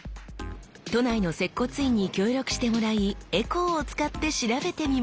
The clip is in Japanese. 都内の接骨院に協力してもらいエコーを使って調べてみました。